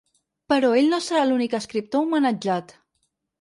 Però ell no serà l’únic escriptor homenatjat.